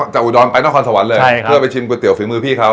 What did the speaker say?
อุดรไปนครสวรรค์เลยเพื่อไปชิมก๋วเตี๋ฝีมือพี่เขา